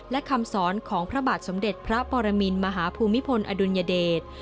และคำสอนของพระบาทสมเด็จพระปรมินมหาภูมิพลอดุลยเดช